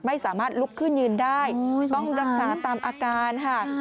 ไม่สามารถลุกขึ้นยืนได้ต้องรักษาตามอาการค่ะ